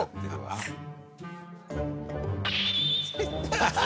ハハハハ！